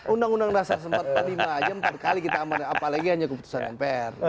undang undang dasar empat puluh lima aja empat kali kita amat apalagi hanya keputusan mpr